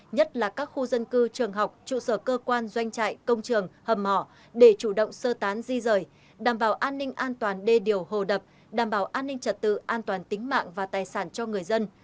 nhất là các khu dân cư trường học trụ sở cơ quan doanh trại công trường hầm mỏ để chủ động sơ tán di rời đảm bảo an ninh an toàn đê điều hồ đập đảm bảo an ninh trật tự an toàn tính mạng và tài sản cho người dân